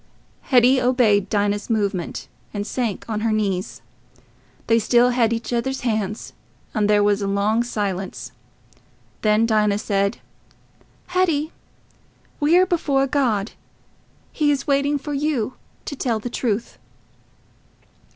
Hetty obeyed Dinah's movement, and sank on her knees. They still held each other's hands, and there was long silence. Then Dinah said, "Hetty, we are before God. He is waiting for you to tell the truth."